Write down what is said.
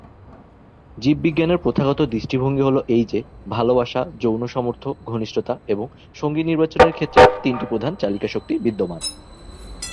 জীববিজ্ঞানের প্রথাগত দৃষ্টিভঙ্গি হল এই যে, ভালোবাসা, যৌন সামর্থ্য, ঘনিষ্ঠতা এবং সঙ্গী নির্বাচনের ক্ষেত্রে তিনটি প্রধান চালিকাশক্তি বিদ্যমান।